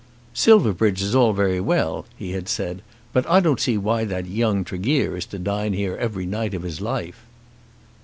"Silverbridge is all very well," he had said; "but I don't see why that young Tregear is to dine here every night of his life."